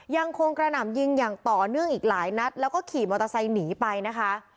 ยังคงกระหน่ำยิงอย่างต่อเนื่องอีกหลายนัดแล้วก็ขี่มอเตอร์ไซค์หนีไปนะคะ